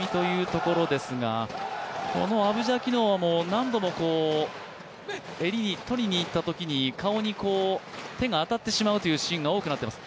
アブジャキノアも何度も襟に取りに行ったときに顔に手が当たってしまうというシーンが多くなってきています。